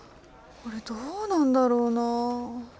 これどうなんだろうなあ。